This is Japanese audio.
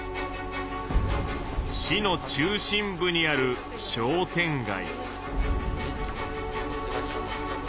市の中心部にある商店街。